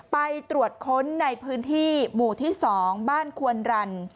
ไปตรวจค้นในพื้นที่หมู่ที่๒บ้านควนรัน